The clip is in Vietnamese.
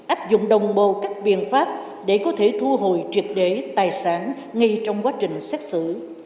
áp dụng đồng bộ các biện pháp để có thể thu hồi triệt để tài sản ngay trong quá trình xét xử